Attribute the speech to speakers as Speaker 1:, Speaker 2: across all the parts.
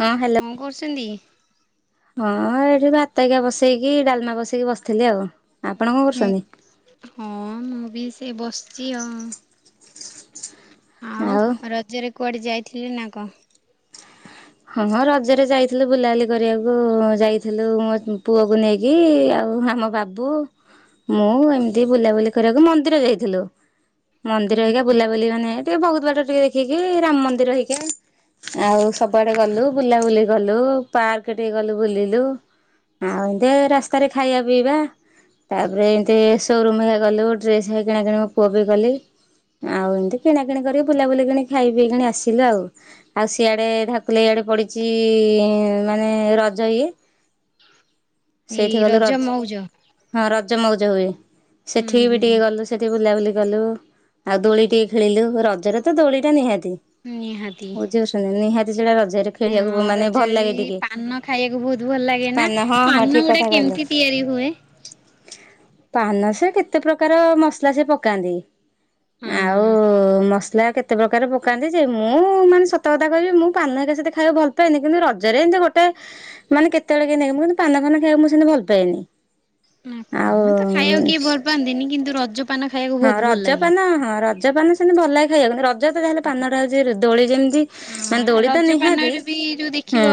Speaker 1: ହଁ ହ୍ୟାଲୋ
Speaker 2: କଣ କରୁଛନ୍ତି?
Speaker 1: ହଁ ଏଠି ଭାତ ଏଇକା ବସେଇକି ଡାଲମା ବସେଇକି ବସିଥିଲି ଆଉ, ଆପଣ କଣ
Speaker 2: ହୁଁ।
Speaker 1: କରୁଛନ୍ତି?
Speaker 2: ହଁ ମୁଁ ବି ସେଇ ବସିଛି ଆଉ। ଆଉ ରଜରେ କୁଆଡ଼େ ଯାଇଥିଲେ ନା କଣ?
Speaker 1: ହଁ ହ ରଜରେ ଯାଇଥିଲୁ ବୁଲାବୁଲି କରିବାକୁ ଯାଇଥିଲୁ ମୋ ପୁଅକୁ ନେଇକି ଆଉ ଆମ ବାବ୍ ବୁ ମୁଁ ଏମତି ବୁଲାବୁଲି କରିବାକୁ ମନ୍ଦିର ଯାଇଥିଲୁ। ମନ୍ଦିର ହେଇକା ବୁଲାବୁଲି ମାନେ ଟିକେ ବହୁତ ବାଟ ଟିକେ ଦେଖିକି ରାମ ମନ୍ଦିର ହେଇକି ଆଇଲୁ ଆଉ ସବୁଆଡେ ଗଲୁ ବୁଲାବୁଲି କଲୁ ପାର୍କ ଟିକେ ଗଲୁ ବୁଲିଲୁ। ଆଉ ଏମିତି ଆଉ ରାସ୍ତାରେ ଖାଇବା ପିଇବା ତାପରେ ଏମିତି ଏଇ ସୋରୁମ୍ ହେରା ଗଲୁ ଡ୍ରେସ୍ ହେରା କିଣାକିଣି ମୋ ପୁଅ ପାଇଁ କଲି। ଆଉ ଏମିତି କିଣା କିିଣି କରି ବୁଲାବୁଲି କିଣି ଖାଇ ପିଇକିଣି ଆସିଲୁ ଆଉ ଆଉ ସିଆଡେ ଧାକୁଲେଇ ଆଡେ ପଡିଛି ଇ ଇ ମାନେ ରଜ ଇଏ
Speaker 2: ଏଇ
Speaker 1: ସେଇଠି ଗଲୁ ରଜ
Speaker 2: ମଉଜ।
Speaker 1: ହଁ ରଜ ମଉଜ ହୁଏ
Speaker 2: ହୁଁ
Speaker 1: ସେଠିକି ବି
Speaker 2: ହୁଁ।
Speaker 1: ଟିକେ ଗଲୁ ସେଠି ବୁଲାବୁଲି କଲୁ ଆଉ ଦୋଳି ଟିକେ ଖେଳିଲୁ ରଜରେ ତ ଦୋଳି ଟା ନିହାତି।
Speaker 2: ନିହାତି।
Speaker 1: ବୁଝଛନ୍ତି ନିହାତି ସେଇଟା ରଜରେ ଖେଳିବାକୁ
Speaker 2: ହଁ
Speaker 1: ବ ମାନେ
Speaker 2: ରଜରେ
Speaker 1: ଭଲ
Speaker 2: ବି
Speaker 1: ଲାଗେ ଟିକେ
Speaker 2: ପାନ ଖାଇବାକୁ ବହୁତ ଭଲ ଲାଗେ ନା
Speaker 1: ପାନ ହଁ ହଁ
Speaker 2: ପାନ
Speaker 1: ଠିକ
Speaker 2: ଗୁଡା
Speaker 1: କଥା କହିଲେ।
Speaker 2: କେମିତି ତିଆରି ହୁଏ?
Speaker 1: ପାନ ସିଏ କେତେ ପ୍ରକାର ମସଲା ସିଏ ପକାନ୍ତି।
Speaker 2: ହଁ ହଁ
Speaker 1: ଆଉ ମସଲା କେତ ତେ ପ୍ରକାର ପକାନ୍ତି ଯେ ମୁଁ ମାନେ ସତକଥା କହିବି ମୁଁ ପାନ ଏତେ ସେତେ ଖାଇବାକୁ ଭଲ ପାଏନି କିନ୍ତୁ ରଜରେ ଏମିତି ଗୋଟାଏ ମାନେ କେତେବେଳେ କେମିତି ନେଇ ମୁଁ କିନ୍ତୁ ପାନ ଫାନ ଖାଇବାକୁ ମୁଁ ସେମିତି ଭଲ ପାଏନି।
Speaker 2: ଓ ହୋ ପାନ ତ ଖାଇବାକୁ
Speaker 1: ଆଉ
Speaker 2: କିଏ ଭଲ ପାଆନ୍ତିନି କିନ୍ତୁ ରଜକୁ
Speaker 1: ହଁ ରଜପାନ ହଁ ରଜପାନ ସେମିତି ଭଲ ଲାଗେ ଖାଇବାକୁ ଯେତେ ଯା ହେଲେ ପାନଟା ହଉଛି ଦୋଳି ଯେମିତି ମାନେ
Speaker 2: ଅ
Speaker 1: ଦୋଳି
Speaker 2: ରଜ
Speaker 1: ତ ନିହାତି
Speaker 2: ପାନରେ ବି ଯୋଉ ଦେଖିବ
Speaker 1: ହୁଁ।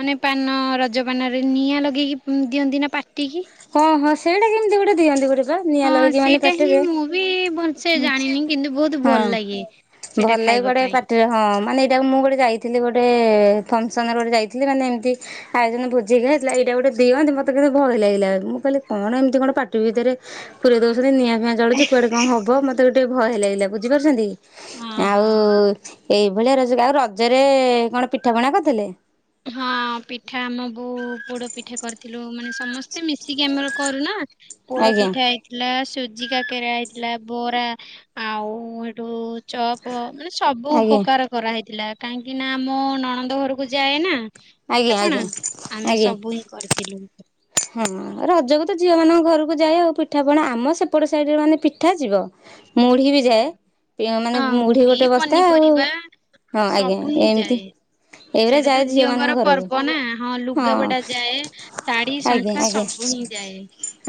Speaker 2: ମାନେ ପାନ ରଜପାନରେ ନିଆଁ ଲଗେଇକି ଦିଅନ୍ତି ନା ପାଟିକି।
Speaker 1: ହଁ ହଁ ସେଇଟା କେମିତି ଗୋଟେ ଦିଅନ୍ତି ଗୋଟେ ନିଆଁ
Speaker 2: ହଁ
Speaker 1: ଲଗେଇକି ମାନେ
Speaker 2: ସେଇଟା ହିଁ
Speaker 1: ପାଟିରେ
Speaker 2: ମୁଁ ବି ଭଲସେ
Speaker 1: ହୁଁ
Speaker 2: ଜାଣିନି କିନ୍ତୁ ବହୁତ
Speaker 1: ହଁ।
Speaker 2: ଭଲ ଲାଗେ। ସେଇଟା
Speaker 1: ଭଲ ଲାଗେ
Speaker 2: ଖାଇବା
Speaker 1: କୁଆଡେ
Speaker 2: ପାଇଁ।
Speaker 1: ପାଟିର ହଁ ମାନେ ଏଇଟାକୁ ମୁଁ ଗୋଟେ ଯାଇଥିଲି ଗୋଟେ ଫଙ୍କସନରେ ଗୋଟେ ଯାଇଥିଲି ମାନେ ଏମିତି ଆଉ ଦିନ ଭୋଜି ଖାଇଥିଲା ଏଇଟା ଗୋଟ ଦିଅନ୍ତି ମତେ କିନ୍ତୁ ଭୟ ଲାଗିଲା ମୁଁ କିହିଲି କଣଏମିତି କଣ ପାଟି ପାଟି ଭିତରେ ପୁରରେ ଦଉଛନ୍ତି ନିଆଁ ଫିଆଁ ଜଳୁଛି କୁଆଡେ କଣ ହବ ମତେ ବି ଟିକେ ଭୟ ଲାଗିଲା ବୁଝିପାରୁଛନ୍ତି? ଆଉ ଏଇଭଳିଆ ରଜରେ ଆଉ ରଜରେ କଣ ପିଠା ପଣା କରିଥିଲେ?
Speaker 2: ହଁ ପିଠା ଆମ ବୋଉ ପୋଡ ପିଠା କରିଥିଲୁ ମାନେ ସମସ୍ତେ ମିଶିକି ଆମର କରୁନା।
Speaker 1: ଆଜ୍ଞା
Speaker 2: ପୋଡପିଠା ହେଇ ହେଇଥିଲା ସୁଜି କାକରା ହେଇଥିଲା ବରା ଆଉ ଏଠୁ ଚପ୍ ଚପ ମାନେ ସବୁ
Speaker 1: ଆଜ୍ଞା
Speaker 2: ପକାର କରାହେଇଥିଲା କାହିଁକି ନା ଆମ ନଣନ୍ଦ ଘରକୁ ଯାଏ ନା
Speaker 1: ଆଜ୍ଞା
Speaker 2: ପିଠାପଣା
Speaker 1: ଆଜ୍ଞା
Speaker 2: ଆମେ
Speaker 1: ଆଜ୍ଞା।
Speaker 2: ସବୁ ହିଁ କରିଥିଲୁ।
Speaker 1: ହଁ ରଜକୁ ତ ଝିଅମାନଙ୍କ ଘରକୁ ଯାଏ ଆଉ ପିଠା ପଣା ଆମ ସେପଟ ସାଇଡରେ ମାନେ ପିଠା ଯିବ ମୁଢ଼ି ବି ଯାଏ। ମାନେ
Speaker 2: ହଁ
Speaker 1: ମୁଢି
Speaker 2: ମୁଢ଼ି
Speaker 1: ଗୋଟେ ବସ୍ତା ଆଉ
Speaker 2: ପନିପରିବା
Speaker 1: ହଁ ଆଜ୍ଞା
Speaker 2: ସବୁ ହିଁ
Speaker 1: ଏମିତି
Speaker 2: ଯାଏ।
Speaker 1: ଏଇଗୁରା
Speaker 2: ସେଇଟା
Speaker 1: ଯାଏ
Speaker 2: ତ
Speaker 1: ଝିଅ ମାନଙ୍କ
Speaker 2: ଝିଅଙ୍କର
Speaker 1: ଘରକୁ
Speaker 2: ପର୍ବ ନା ହଁ ଲୁଗାପଟା ଯାଏ। ଶାଢୀ
Speaker 1: ଆଜ୍ଞା
Speaker 2: ଶଙ୍ଖା
Speaker 1: ଆଜ୍ଞା
Speaker 2: ସବୁ ହିଁ ଯାଏ।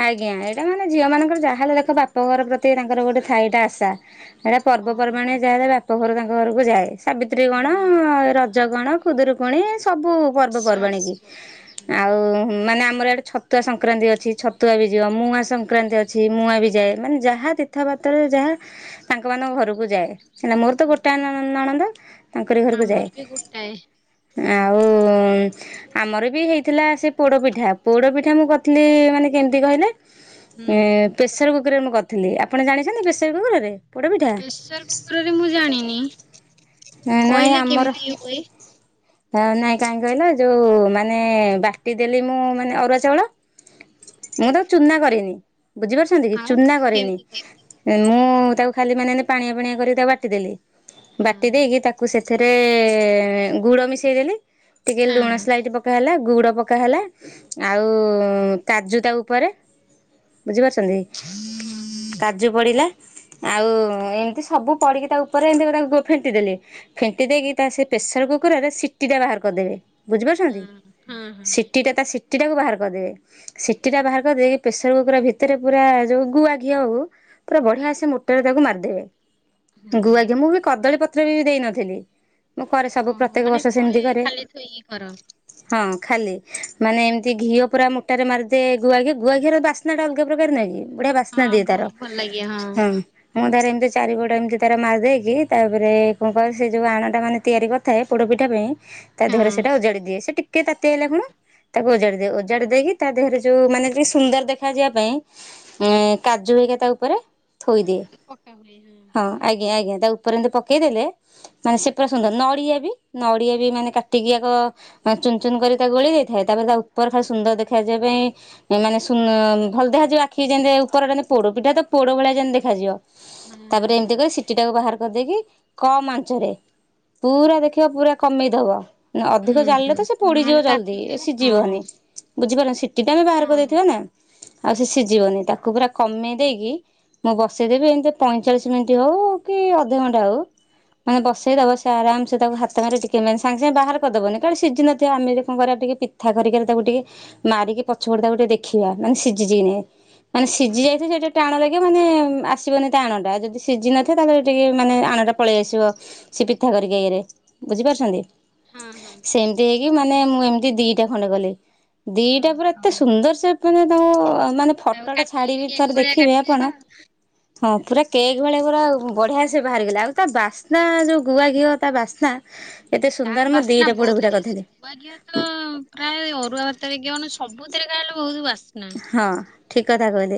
Speaker 1: ଆଜ୍ଞା ଏଇଟା ମାନେ ଝିଅମାନଙ୍କର ଯାହାହେଲେ ଦେଖ ବାପ ଘର ପ୍ରତି ତାଙ୍କର ଗୋଟେ ଥାଏ ଗୋଟେ ଆସା- ଏଇଟା
Speaker 2: ହଁ
Speaker 1: ପର୍ବପର୍ବାଣି ଯାହାଲେ ବାପ ଘରୁ ତାଙ୍କ ଘରକୁ ଯାଏ ସାବିତ୍ରୀ କଣ
Speaker 2: ନିହାତି ହଁ
Speaker 1: ରଜ କଣ? ଖୁଦରୁକୁଣୀ ସବୁ ପର୍ବପର୍ବାଣୀ
Speaker 2: ସବୁ
Speaker 1: କି
Speaker 2: ସବୁ
Speaker 1: ଆଉ ମାନେ ଆ ଆମର ଇଆଡେ ଛତୁଆ ସଂକ୍ରାନ୍ତି ଅଛି ଛତୁଆ ବି ଯିବ ମୁଆଁ ସଂକ୍ରାନ୍ତି ଅଛି ମୁଆଁ ବି ଯାଏ ମାନେ ଯାହା କଥାବାର୍ତ୍ତାରୁ ଯାହା ତାଙ୍କ ମାନଙ୍କ ଘରକୁ ଯାଏ। ସିନା ମୋର ତ
Speaker 2: ହୁଁ
Speaker 1: ଗୋଟାଏ ନଣନ୍ଦ ତାଙ୍କରି ଘରକୁ ଯାଏ।
Speaker 2: ଆମର ବି ଗୋଟାଏ
Speaker 1: ଆଉ ଆମର ବି ହେଇଥିଲା ସେ ପୋଡପିଠା। ପୋଡ଼ପିଠା ମୁଁ କରିଥିଲି ମାନେ କେମିତି କହିଲେ
Speaker 2: ହୁଁ କେମିତି
Speaker 1: ପ୍ରେସରକୁ
Speaker 2: କରିଥିଲେ?
Speaker 1: ରେ ମୁଁ କହିଥିଲି ଆପଣ ଜାଣିଛନ୍ତି ପେସର କୁକୁରରେ ପୋଡପିଠା।
Speaker 2: ପ୍ରେସରକୁକରରେ ମୁଁ ଜାଣିନି।
Speaker 1: ନାଇଁ
Speaker 2: କହିଲେ
Speaker 1: ଆମର
Speaker 2: କେମିତି ହୁଏ
Speaker 1: ହ ନାଇଁ କାହିଁ କହିଲ ଯୋଉ ମାନେ ବାଟି ଦେଲି ମୁଁ ମାନେ ଅରୁଆ ଚାଉଳ ମୁଁ ତାକୁ ଚୁନା କରିନି ବୁଝିପାରୁଛନ୍ତି କି
Speaker 2: ଆଉ
Speaker 1: ଚୁନା କରିନି।
Speaker 2: କେମିତି କଲେ?
Speaker 1: ମୁଁ ତାକୁ ଖାଲି ମାନେ ପାଣିଆ ପାାଣିଆ କରି ତାକୁ ବାଟିଦେଲି।
Speaker 2: ହଁ
Speaker 1: ବାଟି ଦେଇକି ତାକୁ ସେଥିରେ ଗୁଡ ମିଶେଇ ଦେଲି ଟିକେ
Speaker 2: ହଁ
Speaker 1: ଲୁଣ
Speaker 2: ହଁ
Speaker 1: ସ୍ଲାଇଟ ପ ପକା ହେଲା ଗୁଡ଼ ପକା ହେଲା ଆଉ କାଜୁ ତା ଉପରେ ବୁଝିପାରୁଛନ୍ତି
Speaker 2: ହଁ ହଁ
Speaker 1: କାଜୁ ପଡିଲା। ଆଉ ଏମତି ସବୁ ପଡିକି ତା ଉପରେ ଏମିତି ଫେଣ୍ଟି ଦେଲି ଫେଣ୍ଟି ଦେଇକି ତା ସେ ପ୍ରେସର କୁକରରେ ସିଟି ଟା ବାହାର କରିଦେବେ।
Speaker 2: ହଁ
Speaker 1: ବୁଝିପାରୁଛନ୍ତି
Speaker 2: ହଁ ହଁ
Speaker 1: ସିଟିଟା ତା ସିଟିଟାକୁ ବାହାର କରିଦେବେ। ସିଟି ଟା ବାହାର କରିଦେଇକି ପ୍ରେସର କୁକର ଭିତରେ ପୁରା ଯୋଉ ଗୁଆ ଘିଅ ହଉ। ପୁରା ବଢିଆ ସେ ମୋଟାରେ ତାକୁ ମାରିଦେବେ।
Speaker 2: ହଁ।
Speaker 1: ଗୁଆଘିଅ ମୁଁ ବି କଦଳୀ ପତ୍ର ବି ଦେଇ ନଥିଲି।
Speaker 2: ଅ ହ ମାନେ ତଳେ ଖାଲି ଥୋଇକି କର।
Speaker 1: ହଁ ଖାଲି ମାନେ ଏମିତି ଘିଅ ପୁରା ମୋଟାରେ ମାରିଦିଏ ଗୁଆଘିଅ ଗୁଆ ଘିଅର ବାସ୍ନାଟା ଅଲଗା ପ୍ରକାର ନୁହଁ କି? ବଢିଆ
Speaker 2: ହଁ
Speaker 1: ବାସ୍ନାଦିଏ ତାର
Speaker 2: ବହୁତ ଭଲ ଲାଗେ
Speaker 1: ହଁ ମୁଁ ତାର ଏମିତି ଚାରିପଟେ ଏମିତି ତାର ମାରି ଦେଇକି ତାପରେ କଣ କହ ସେ ଯେଉଁ ଆଣଟା ମାନେ ତିଆରି କରିଥାଏ ପୋଡ଼ପିଠା ପାଇଁ। ତା ଦେହରେ
Speaker 2: ହଁ
Speaker 1: ସେଟା ଉଜାଡି ଦିଏ ସେ ଟିକେ କିଏ ତାତିଆ ହେଲା କଣ ତାକୁ ଓଜାଡି ଦେଇ ଓଜାଡି ଦେଇକି ତା ଦେହରେ ଯୋଉ ମାନେ ଟିକେ ସୁନ୍ଦର ଦେଖା ଯିବା ପାଇଁ ଉଁ କାଜୁ ହେରିକା ତା ଉପରେ ଥୋଇଦିଏ
Speaker 2: ପକା ହୁଏ
Speaker 1: ହଁ ଆଜ୍ଞା ଆଜ୍ଞା ତାଉ ଉପରେ ଏମିତି ପକେଇଦେଲେ ମାନେ ସେ ପୁରା ସୁନ୍ଦର ନଡିଆ ବି ନଡିଆ ବି ମାନେ କାଟିକି ଚୁନ ଚୁନ କରି ତା ଗୋଳି ଦେଇଥାଏ ତାପରେ ତା ଉପର ଖାଲି ସୁନ୍ଦର ଦେଖାଯିବା ପାଇଁ ମାନେ ସୁ ଭଲ ଦେଖାଯିବ ଆଖି ଯେମତି ଉପର ଯେ ପୋଡ ପିଠା ତ ପୋଡ ଭଳିଆ ଯେମତି ଦେଖାଯିବ।
Speaker 2: ହଁ
Speaker 1: ତାପରେ
Speaker 2: ହଁ।
Speaker 1: ଏମିତି କ ସିଟି ଟାକୁ ବାହାର କରିଦେଇକି କମ ଆଞ୍ଚରେ ପୁରା ଦେଖିବ ପୁରା କମେଇଦବ ନା
Speaker 2: ହୁଁ
Speaker 1: ଅଧିକ
Speaker 2: ହୁଁ
Speaker 1: ଜାଳିଲେ ତ ସେ ପୋଡିଯିବ
Speaker 2: ନହେଲେ
Speaker 1: ଜଲ୍ଦି
Speaker 2: ତାତିଯିବ ହଁ
Speaker 1: ସିଝିବନି। ବୁଝିପାରୁନ ସିଟି ଟା ଆମେ ବାହାର
Speaker 2: ହଁ ହଁ।
Speaker 1: କରିଦେଇଥିବା ନା ଆଉ ସେ ସିଝିବନି ତାକୁ ପୁରା କମେଇ ଦେଇକି ମୁଁ ବସେଇଦେବି ଏମିତି ପଇଁଚାଳିଶ ମିନିଟ୍ ହଉ କି ଅଧଘଣ୍ଟା ହଉ ମାନେ ବସେଇଦବ ସେ ଆରାମ ସେ ତାକୁ ହାତ ମାରି ଟିକେ ମାନେ ସାଙ୍ଗେ ସାଙ୍ଗେ ବାହାର କରିଦବନି କାଳେ ସିଝିନ ନଥିବ ଆମେ କଣ କରିବା ଟିକେ ପିଠା କରିକାରେ ତାକୁ ଟିକେ ମାରିକି ପଛ ପଟେ ତାକୁ ଟିକେ ଦେଖିବ ମାନେ ସିଝି କି ନାଇଁ। ମାନେ ସିଝି ଯାଇଥିବ ସେଟା ଟାଣ ଲାଗେ ମାନେ ଆସିବନି ଆଣଟା ଯଦି ସିଝିନଥାଏ ତାହେଲେ ଟିକେ ମାନେ ଆଣଟା ପଳେଇ ଆସିବ ସେ ପିଠାଖରିକା ଇଏରେ ବୁଝିପାରୁଛନ୍ତି।
Speaker 2: ହୁଁ ହୁଁ।
Speaker 1: ସେମିତି ହେଇକି ମାନେ ମୁଁ ଏମିତି ଦିଟା ଖଣ୍ଡେ କଲି। ଦିଟା ପୁରା ଏତେ
Speaker 2: ଓହୋ
Speaker 1: ସୁନ୍ଦର ସେ ମାନେ ତମ ମାନେ
Speaker 2: ତାକୁ
Speaker 1: ଫଟୋଟା
Speaker 2: କାଟିକି
Speaker 1: ଛାଡିବି
Speaker 2: କେକ୍
Speaker 1: ଥରେ
Speaker 2: ଭଳିଆ
Speaker 1: ଦେଖିବେ
Speaker 2: କାଟିଥିବ
Speaker 1: ଆପଣ ହଁ ପୁରା କେକ୍ ଭଳିଆ ପୁରା ବଢ଼ିଆ ସେ ବାହାରିଗଲା ଆଉ ତା ବାସ୍ନା ଯେଉଁ ଗୁଆଘିଅ ତା ବାସ୍ନା ଏତେ
Speaker 2: ତା
Speaker 1: ସୁନ୍ଦର ମୁଁ
Speaker 2: ବାସ୍ନା
Speaker 1: ଦିଟା
Speaker 2: ବହୁତ
Speaker 1: ପୋଡପିଠା
Speaker 2: ଟେଷ୍ଟ।
Speaker 1: କରିଥିଲି।
Speaker 2: ଗୁଆ ଘିଅ ତ ପ୍ରାୟ ଅରୁଆ ଭାତରେ କଣ ସବୁଥିରେ ଖାଇଲେ ବହୁତ ବାସ୍ନା।
Speaker 1: ହଁ ଠିକ କଥା କହିଲେ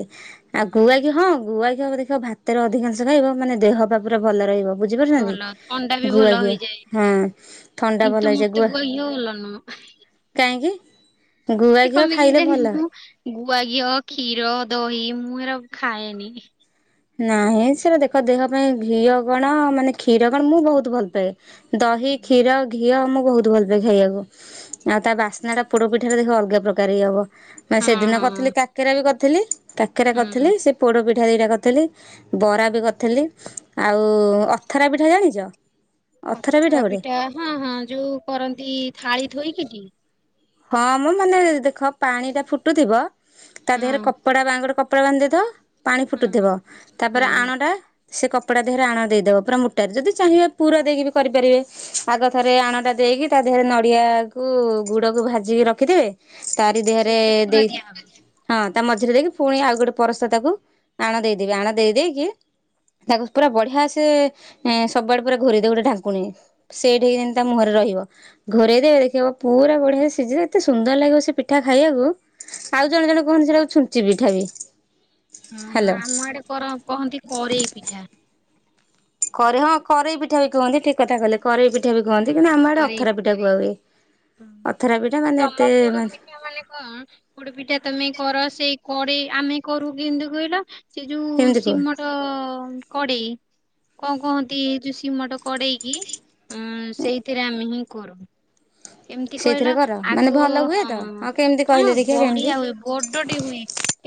Speaker 1: ଆଉ
Speaker 2: ହୁଁ
Speaker 1: ଗୁଆଘିଅ ହଁ। ଗୁଆଘିଅକୁ ଦେଖିବ ଭାତରେ ଅଧିକାଂଶ ଖାଇବ ମାନେ ଦେହପା ପୁରା ଭଲ ରହିବ। ବୁଝିପାରୁଛନ୍ତି
Speaker 2: ଭଲ ଥଣ୍ଡା ବି ଭଲ
Speaker 1: ଗୁଆଘିଅ
Speaker 2: ହେଇଯାଏ
Speaker 1: ହଁ ଥଣ୍ଡା ଭଲ ହେଇଯାଏ ଗୁଆ
Speaker 2: ହ
Speaker 1: କାହିଁକି? ଗୁଆ ଘିଅ
Speaker 2: ପାଇଁ
Speaker 1: ଖାଇଲେ
Speaker 2: କେଜାଣି
Speaker 1: ଭଲ।
Speaker 2: ମୁଁ ଗୁଆ ଘିଅ କ୍ଷୀର ଦହି ମୁଁ ଏରା ଖାଏନି।
Speaker 1: ନାହିଁ ସ ଦେଖ ଦେହ ପାଇଁ ଘିଅ କଣ ମାନେ କ୍ଷୀର କଣ ମୁଁ ବହୁତ ଭଲ ପାଏ। ଦହି କ୍ଷୀର ଘି ଘିଅ ମୁଁ ବହୁତ ଭଲ ପାଏ ଖାଇବାକୁ ଆଉ ତା ବାସ୍ନା ଟା ପୋଡ ପିଠାରେ ଦେଖ ଅଲଗା ପ୍ରକାର ହଇ ହବ ମ
Speaker 2: ହଁ
Speaker 1: ସେଦିନ
Speaker 2: ହଁ
Speaker 1: କରିଥିଲି କାକେରା ବି କରିଥିଲି କାକେରା
Speaker 2: ହୁଁ।
Speaker 1: କରିଥିଲି ସେ ପୋଡ ପିଠା ଦିଟା କରି ଥିଲି ବରା ବି କରିଥିଲି ଆଉ ଅଥରା ପିଠା ଜାଣିଛ?
Speaker 2: ଅଥରା ପିଠା ହଁ ହଁ ଯୋଉ କରନ୍ତି ଥାଳି ଥୋଇକି।
Speaker 1: ହଁ ମୁଁ ମାନେ ଦେଖ ପାଣିଟା ଫୁଟୁଥିବ। ତା
Speaker 2: ହଁ
Speaker 1: ଦେହରେ କପଡା ବା ଗୋଟ କପଡା ବାନ୍ଧିଦ ପାଣି ଫୁଟୁଥିବ
Speaker 2: ହଁ
Speaker 1: ତାପରେ
Speaker 2: ହଁ।
Speaker 1: ଆଣ ଟା ସେ କପଡା ଦେହରେ ଆଣ ଦେଇଦବ ପୁରା ମଟାରେ ଯଦି ଚାହିଁବେ ପୁରା ଦେଇକି ବି କରିପାରିବେ। ଆଗ ଥରେ ଆଣ ଟା ଦେଇକି ତା ଦେହରେ ନଡିଆକୁ ଗୁ ଗଡକୁ ଭାଜିକି ରଖିଥବେ ତାରି ଦେହରେ
Speaker 2: ସେଇଥିରେ ପୁର
Speaker 1: ଦେଇ
Speaker 2: ଦିଆହବ?
Speaker 1: ହଁ ତା ମଝିରେ ଦେଇକି ପୁଣି ଆଉ ଗୋଟେ ପରସ୍ତା ତାକୁ ଆଣ ଦେଇଦେବି ଆଣ ଦେଇ ଦେଇକି ତାକୁ ପୁରା ବଢିଆ ସେ ସବୁଆଡେ ପୁରା ଘୋରିଦ ଗୋଟେ ଢାଙ୍କୁକୁଣୀ ସେଇଠିିନ ତା ମୁହଁରେ ରହିବ ଘରେ ଦେବେ ଦେଖିବ ପୁରା ପଡଆ ସିଝ ଏତେ ସୁନ୍ଦର ଲାଗିବ ସେ ପିଠା ଖାଇବାକୁ। ଆଉ ଜଣେ ଜଣ କହନ୍ତି ସେଇଟାକୁ ଛୁଞ୍ଚି ପିଠା ବି
Speaker 2: ଓହୋ
Speaker 1: ହ୍ୟାଲୋ
Speaker 2: ଆମ ଆଡେ କର କହନ୍ତି କରେଇ ପିଠା
Speaker 1: କରେ ହଁ କଇ ପିଠା ବି କୁହନ୍ତି ଠିକ କଥା କହଲେ କରେଇ ପିଠା ପଠା ବି
Speaker 2: ହଁ।
Speaker 1: କୁହନ୍ତି କିନ୍ତୁ ଆମ ଆଡ଼େ
Speaker 2: କରେଇ
Speaker 1: ଅଥରାପିଠା କୁଆ
Speaker 2: ପିଠା
Speaker 1: ହୁଏ ଅଥରାପିଠା ମାନେ ଏତୋନେ
Speaker 2: ପ ମାନେ କଣ କୋଡ ପିଠା ତମେ କର ସେଇ କଡେଇ ଆମେ କରୁ କେନ୍ଦୁ କହିଲ ସେ ଯୋଉ
Speaker 1: କେମିତି କୁହ
Speaker 2: ସିମଟ କଡେଇ କଣ କହନ୍ତି ଏ ଯୋଉ ସିମଟ କଡେଇକି ଉ ସେଇଥିରେ ଆମେ ହିଁ କରୁ ଏମିତି କହିଲ
Speaker 1: ସେଇଥିରେ କର ମାନେ
Speaker 2: ଆଗ
Speaker 1: ଭଲ ହୁଏ
Speaker 2: ହଁ
Speaker 1: ତ କେମିତି
Speaker 2: ହଁ
Speaker 1: କହିଲେ ଦେଖିବା
Speaker 2: ବଡି
Speaker 1: କେମିତି
Speaker 2: ଆଉ ବଡଟେ ହୁଏ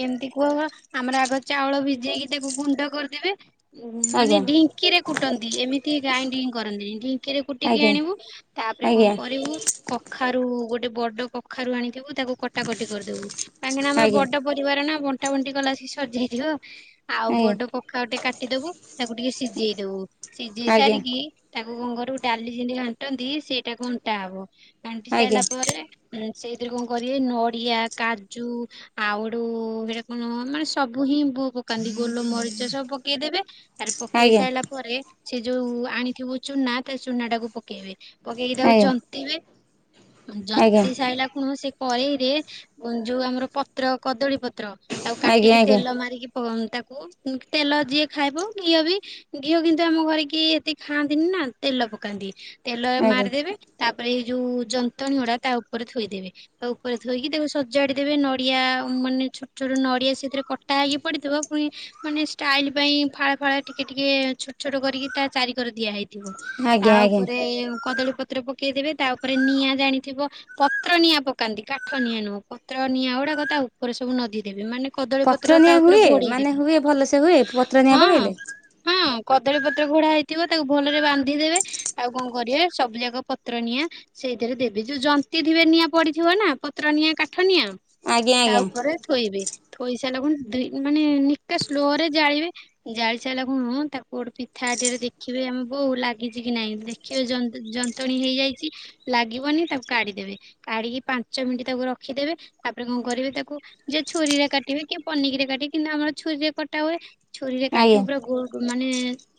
Speaker 2: ଏମିତି କୁହ ଆମର ଆଗ ଚାଉଳ ଭିଜେଇକି ତାକୁ ଗୁଣ୍ଡ କରିଦେବେ। ଉ ମାନେ
Speaker 1: ଆଜ୍ଞା
Speaker 2: ଢିଙ୍କିରେ କୁଟନ୍ତି ଏମିତି ଗାଇନଡିଙ୍ଗ କରନ୍ତିନି। ଢିଙ୍କିରେ କୁଟିକି
Speaker 1: ଆଜ୍ଞା
Speaker 2: ଆଣିବୁ। ତାପରେ
Speaker 1: ଆଜ୍ଞା
Speaker 2: କଣ କରିବୁ କଖାରୁ ଗୋଟେ ବଡ କଖାରୁ ଆଣିଥିବୁ ତାକୁ କଟାକଟି କରିଦେବୁ କାହିଁକିନା ଆମର
Speaker 1: ଆଜ୍ଞା
Speaker 2: ବଡ ପରିବାର ନା ବଣ୍ଟା ବଣ୍ଟି କଲାଆଳୁକୁ ସେ ସରିଯାଇଥିବ। ଆଉ ବଡ କଖାରୁ ଟେ କାଟିଦବୁ ତାକୁ ଟିକେ ସିଜେଇ ଦବୁ ସିଜେଇ
Speaker 1: ଆଜ୍ଞା ଆଜ୍ଞା
Speaker 2: ସାରିକି ତାକୁ କଣ କରିବୁ ଡାଲି ଯେମିତି ଘାଣ୍ଟନ୍ତି ସେଇଟା ଘଣ୍ଟା ହବ। ଘାଣ୍ଟି ସାଇଲା
Speaker 1: ଆଜ୍ଞା ଆଜ୍ଞା
Speaker 2: ପରେ ସେଇଥିରେ କଣ କରିବେ ନଡିଆ କାଜୁ ଆଉ ହେଟୁ ସେଇଟା କଣ ମାନେ ସବୁ ହିଁ ବୁ ପକାନ୍ତି ଗୋଲ ମରିଚ ସବୁ ପକେଇଦେବେ ଆରେ ପକେଇ
Speaker 1: ଆଜ୍ଞା
Speaker 2: ସାରିଲା ପରେ ସେ ଯୋଉ ଆଣିଥିବୁ ଚୁନା ତା ଚୁନା ଟାକୁ ପକେଇବେ ପକେଇକି ତାକୁ
Speaker 1: ଆଜ୍ଞା
Speaker 2: ଜନ୍ତିବେ।
Speaker 1: ଆଜ୍ଞା
Speaker 2: ଜନ୍ତିି ସାରିଲା କୁଣ ସେ କଳେଇ ରେ ଯୋଉ ଆମର ପତ୍ର କଦଳୀ ପତ୍ର ଆଉ
Speaker 1: ଆଜ୍ଞା
Speaker 2: କାଟିକି
Speaker 1: ଆଜ୍ଞା
Speaker 2: ତେଲ ମାରିକି ପ ତାକୁ ତେଲ ଯିଏ ଖାଇବ ଘିଅ ବି ଘିଅ କିନ୍ତୁ ଆମ ଘରେ କିିଏ ଏତେ ଖାଆନ୍ତିନି ନା ତେଲ ପକାନ୍ତି। ତେଲ
Speaker 1: ଆଜ୍ଞା
Speaker 2: ମାରିଦେବେ ତାପରେ ଏଇ ଯୋଉ ଯନ୍ତଣୀ ଗୁଡା ତା ଉପରେ ଥୋଇଦେବେ। ତା ଉପରେ ଥୋଇକି ତାକୁ ସଜାଡିଦେବେ ନଡିଆ ମାନେ ଛୋଟ ଛୋଟ ନଡିଆ ସେଥିରେ କଟା ହେଇକି ପଡିଥିବ ପୁଣି ମାନେ ଷ୍ଟାଇଲ ପାଇଁ ଫାଳ ଫାଳ ଟିକେ ଟିକେ ଛୋଟ ଛୋଟ କରିକି ତା ଚାରି କର ଦିଆହେଇ ଥିବ ତା
Speaker 1: ଆଜ୍ଞା ଆଜ୍ଞା
Speaker 2: ଉପରେ କଦଳୀ ପତ୍ର ପକେଇଦେବେ ତା ଉପରେ ନିଆଁ ଜାଣିଥିବ ପତ୍ର ନିଆଁ ପକାନ୍ତି କାଠ ନିଆଁ ନୁହଁ ପତ୍ର ନିଆଁ ଉଡାକ ତା ଉପରେ ସବୁ ନଦୀ ଦେବେ ମାନେ କଦଳୀ ପତ୍ର ତା
Speaker 1: ନିଆଁ
Speaker 2: ଉପରେ
Speaker 1: ହୁଏ
Speaker 2: ଘୋଡେଇ
Speaker 1: ମାନେ
Speaker 2: ଦେବେ
Speaker 1: ହୁଏ ଭଲସେ ହୁଏ ପତ୍ର ନିଆଁ ପକେଇଲେ
Speaker 2: ହଁ। ହଁ କଦଳୀ ପତ୍ର ଘୋଡା ହେଇଥିବ ତାକୁ ଭଲରେ ବାନ୍ଧିଦେବେ। ଆଉ କଣ କରିବେ ସବୁ ଯାକ ପତ୍ର ନିଆଁ ସେଇଥିରେ ଦେବି ଯୋଉ ଜନ୍ତନ୍ତି ଥିବେ ନିଆଁ ପଡିଥିବ ନା ପତ୍ର ନିଆଁ କାଠ ନିଆଁ।
Speaker 1: ଆଜ୍ଞା
Speaker 2: ତା
Speaker 1: ଆଜ୍ଞା
Speaker 2: ଉପରେ ଥୋଇବେ ଥୋଇ ସାରିଲା ଖୁଣି ମାନେ ନିକା ସ୍ଲୋ ରେ ଜାଳିବେ। ଜାଳି ସଇଲା ଖୁଣୁ ତାକୁ ଗୋଟେ ପିଠା ଆଟିଆ ରେ ଦେଖିବେ ଆମେ ବୋଉ ଲାଗିଛି କି ନାଇଁ ଦେ ଖିବେ ଯ ଯନ୍ତଣୀ ହେଇଯାଇଛି ଲାଗିବନି ତାକୁ କାଢିଦେବେ। କାଢିକି ପାଞ୍ଚ ମିନିଟ୍ ତାକୁ ରଖିଦେବେ। ତାପରେ କଣ କରିବେ ତାକୁ ଯିଏ ଛୁରୀରେ କାଟିବେ କିଏ ପନିକିରେ କାଟିବେ କିନ୍ତୁ ଆମର ଛୁରୀରେ କଟା ହୁଏ। ଛୁରୀରେ କାଟିବୁ
Speaker 1: ଆଜ୍ଞା
Speaker 2: ପୁରା ଗୋଲ ମାନେ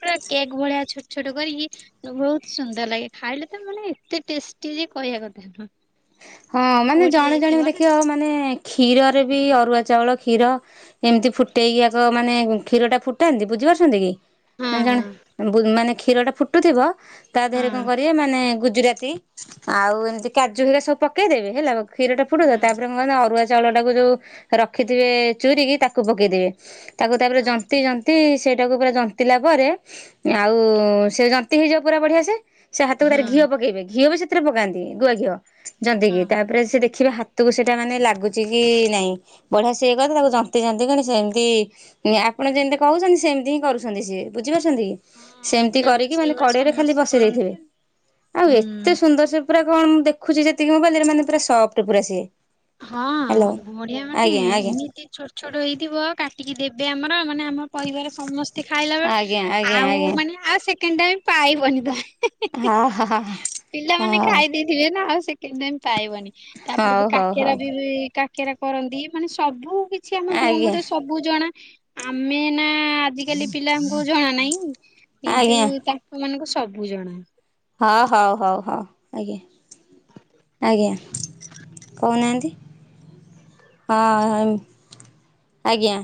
Speaker 2: ପୁରା କେକ୍ ଭଳିଆ ଛୋଟ ଛୋଟ କରିକି ବହୁତ ସୁନ୍ଦର ଲାଗେ ଖାଇଲେ ତ ମାନେ ଏତେ ଟେଷ୍ଟି ଯେ କହିବା କଥା ନୁହଁ।
Speaker 1: ହଁ ମାନେ
Speaker 2: ପୋଡି
Speaker 1: ଜଣେ ଜଣେ
Speaker 2: ଯାଇଥିବ
Speaker 1: ଦେଖିବ ମାନେ କ୍ଷୀରରେ ବି ଅରୁଆ ଚାଉଳ କ୍ଷୀର ଏମିତି ଫୁଟେଇକି ଆଗ ମାନେ କ୍ଷୀର ଟା ଫୁଟାନ୍ତି ବୁଝିପାରୁଛନ୍ତି କି?
Speaker 2: ନା
Speaker 1: ମାନେ
Speaker 2: ହଁ
Speaker 1: ଜଣେ
Speaker 2: ହଁ
Speaker 1: ମାନେ କ୍ଷୀର ଟା ଫୁଟୁଥିବ ତା ଦେହରେ
Speaker 2: ହଁ।
Speaker 1: କଣ କରିବେ ମାନେ ଗୁଜୁରାତି ଆଉ ଏମିତି କାଜୁ ହେରିକା ସବୁ ପକେଇଦେବେ ହେଲା କ୍ଷୀର ଟା ଫୁଟୁ ଥିବ
Speaker 2: ହଁ
Speaker 1: ତାପରେ କଣ କରିବ ଅରୁଆ ଚାଉଳ ଟାକୁ ଯୋଉ ରଖିଥିବେ ଚୁରି କିି ତାକୁ ପକେଇଦେବେ। ତାକୁ ତାପରେ
Speaker 2: ହଁ।
Speaker 1: ଜନ୍ତି ଜନ୍ତି ସେଇଟାକୁ ପୁରା ଜନ୍ତିଲା ପରେ। ଆଉ ସେ ଯନ୍ତିି ହେଇଯିବ ପୁରା ବଢିଆ ସେ। ସେ ହାତକୁ ତାର
Speaker 2: ହଁ
Speaker 1: ଘିଅ ପକେଇବେ ଘିଅ ବି ସେଥିରେ ପକାନ୍ତି ଗୁଆ ଘିଅ ଜନ୍ତି
Speaker 2: ହଁ।
Speaker 1: କି ତାପରେ ସେ ଦେଖିବେ ହା ତକୁ ସେଇଟା ମାନେ ଲାଗୁଛି କି ନାଇଁ ବଢ଼ିଆ ସିଏ କଲେ ତାକୁ ଯନ୍ତି ଜନ୍ତି କି ସେ ସେମିତି ଆପଣ ଯେମିତି କହୁଛନ୍ତି ସେମିତି ହିଁ କରୁଛନ୍ତି ସିଏ ବୁଝିପାରୁଛନ୍ତି କି?
Speaker 2: ହଁ
Speaker 1: ସେମତି
Speaker 2: ଆଜିକାଲି ତ
Speaker 1: କରିକି ମାନେ
Speaker 2: ସେଇଗୁରା
Speaker 1: କଡେଇ ରେ ଖାଲି
Speaker 2: ସମସ୍ତେ
Speaker 1: ବସେଇ
Speaker 2: କରନ୍ତି
Speaker 1: ଦେଇଥିବେ
Speaker 2: ଆଉ।
Speaker 1: ଆଉ ଏତେ
Speaker 2: ହୁଁ।
Speaker 1: ସୁନ୍ଦର ସେ ପୁରା କଣ ମୁଁ ଦେଖୁଛି ଯେତିକି ମୋବାଇଲ ରେ ମାନେ ସଫ୍ଟ ପୁରା ସିଏ। ହ୍ୟାଲୋ
Speaker 2: ହଁ ବଢ଼ିଆ ମାନେ
Speaker 1: ଆଜ୍ଞା ଆଜ୍ଞା
Speaker 2: ଏମିତି ଛୋଟ ଛୋଟ ହେଇଥିବ କାଟିକି ଦେବେ ଆମର ମାନେ ଆମ ପରିବାର ସମସ୍ତେ ଖାଇଲା ବେଳେ
Speaker 1: ଆଜ୍ଞା ଆଜ୍ଞା
Speaker 2: ଆଉ
Speaker 1: ଆଜ୍ଞା।
Speaker 2: ମାନେ ଆଉ ସେକେଣ୍ଡ ଟାଇମ ପାଇବନି ତମେ? ହି
Speaker 1: ହଁ ହଁ
Speaker 2: ହି
Speaker 1: ହଁ
Speaker 2: ପିଲାମାନେ
Speaker 1: ହଉ
Speaker 2: ଖାଇ ଦେଇଥିବେ ନା ଆଉ ସେକେଣ୍ଡ ଟାଇମ ପାଇବନି।
Speaker 1: ହଉ ହଉ ହଉ।
Speaker 2: ଇବି କାକେରା କରନ୍ତି ମାନେ ସବୁ କିଛି ଆମ ବୋଉଙ୍କୁ
Speaker 1: ଆଜ୍ଞା
Speaker 2: ତ ସବୁ ସବୁ ଜଣା ଆମେ ନା ଆଜିକାଲି ପିଲାଙ୍କୁ ଜଣା ନାହିଁ କିନ୍ତୁ
Speaker 1: ଆଜ୍ଞା
Speaker 2: ତା ସେମାନଙ୍କୁ ସବୁ ଜଣା।
Speaker 1: ହଁ ହଉ ହଉ ହଉ ଆଜ୍ଞା। ଆଜ୍ଞା କହୁନାହାନ୍ତି? ହଁ ଅଁ ଆଜ୍ଞା।